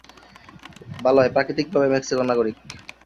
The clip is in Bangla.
বালয় প্রাকৃতিকভাবে মেক্সিকোর নাগরিক।